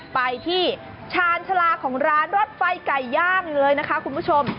ไปที่ชาญชาลาของร้านรถไฟไก่ย่างเลยนะคะคุณผู้ชม